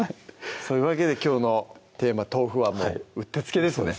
そういうわけできょうのテーマ「豆腐」はもううってつけですね